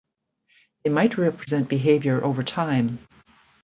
They might represent behavior over time.